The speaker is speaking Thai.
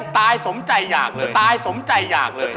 ตายสมใจอยากเลยตายสมใจอยากเลย